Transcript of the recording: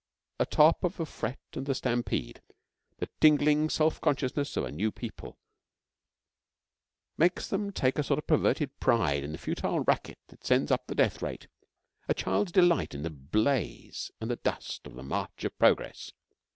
Atop of the fret and the stampede, the tingling self consciousness of a new people makes them take a sort of perverted pride in the futile racket that sends up the death rate a child's delight in the blaze and the dust of the March of Progress.